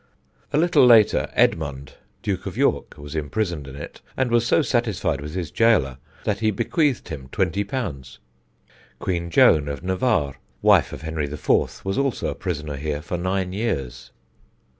A little later Edmund, Duke of York, was imprisoned in it, and was so satisfied with his gaoler that he bequeathed him _£_20. Queen Joan of Navarre, wife of Henry IV., was also a prisoner here for nine years.